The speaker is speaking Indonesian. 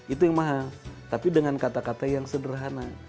itu yang mahal tapi dengan kata kata yang sederhana